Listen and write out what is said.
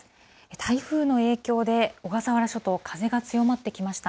台風の影響で小笠原諸島、風が強まってきました。